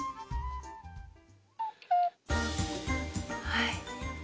はい。